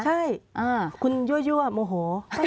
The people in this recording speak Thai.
ใช่คุณยั่วโมโห